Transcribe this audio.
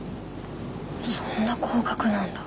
そんな高額なんだ。